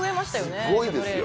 すごいですよ。